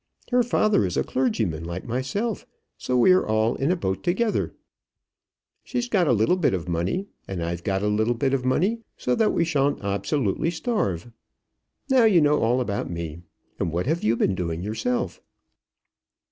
Her father is a clergyman like myself, so we are all in a boat together. She's got a little bit of money, and I've got a little bit of money, so that we shan't absolutely starve. Now you know all about me; and what have you been doing yourself?"